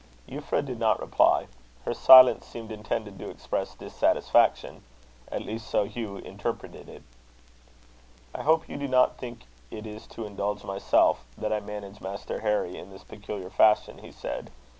Euphra did not reply. Her silence seemed intended to express dissatisfaction; at least so Hugh interpreted it. "I hope you do not think it is to indulge myself that I manage Master Harry in this peculiar fashion," he said.